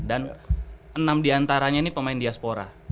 dan enam diantaranya nih pemain diaspora